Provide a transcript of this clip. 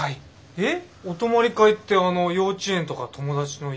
えっ？